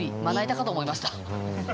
まな板かと思いました。